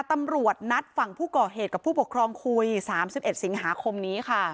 ตำรวจนัดฝั่งผู้ก่อเหตุกับผู้ปกครองคุย๓๑สิงหาคมนี้ค่ะ